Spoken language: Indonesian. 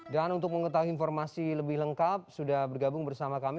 dan untuk mengetahui informasi lebih lengkap sudah bergabung bersama kami